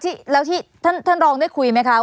ที่แล้วที่ท่านรองได้คุยไหมคะ